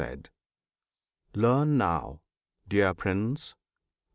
Learn now, dear Prince!